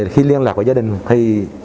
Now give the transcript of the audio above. khi liên lạc với gia đình thì